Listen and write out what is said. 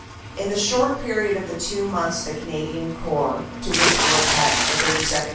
"In the short period of two months the Canadian Corps to which were attached the 32nd.